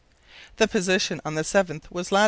The position on the 7th was lat.